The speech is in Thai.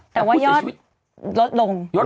แต่ว่ายอดลดลง